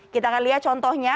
kita akan lihat contohnya